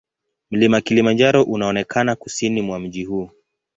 Mlima Kilimanjaro unaonekana kusini mwa mji huu.